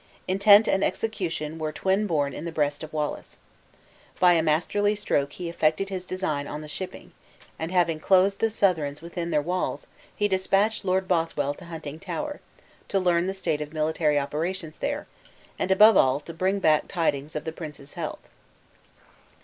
Intent and execution were twin born in the breast of Wallace. By a masterly stroke he effected his design on the shipping; and having closed the Southrons within their walls, he dispatched Lord Bothwell to Huntingtower, to learn the state of military operations there, and above all to bring back tidings of the prince's health.